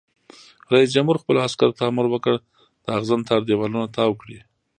رئیس جمهور خپلو عسکرو ته امر وکړ؛ د اغزن تار دیوالونه تاو کړئ!